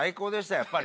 やっぱり。